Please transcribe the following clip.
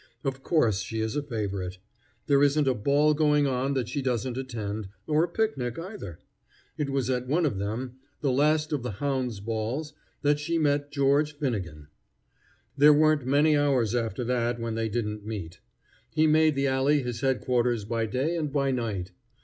Of course she is a favorite. There isn't a ball going on that she doesn't attend, or a picnic either. It was at one of them, the last of the Hounds' balls, that she met George Finnegan. There weren't many hours after that when they didn't meet. He made the alley his headquarters by day and by night.